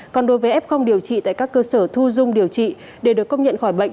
còn đối với f điều trị tại các cơ sở thu dung điều trị để được công nhận khỏi bệnh